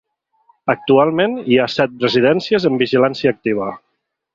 Actualment hi ha set residències en vigilància activa.